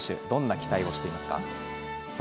どんな期待をしていますか。